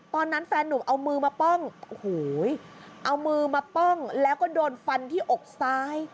แฟนนุ่มเอามือมาป้องโอ้โหเอามือมาป้องแล้วก็โดนฟันที่อกซ้าย